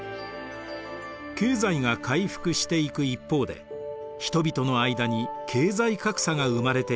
経済が回復していく一方で人々の間に経済格差が生まれていきます。